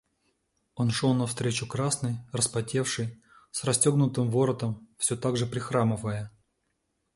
Он шел навстречу красный, распотевший, с расстегнутым воротом, всё так же прихрамывая.